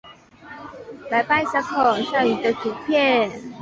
白斑小孔蟾鱼的图片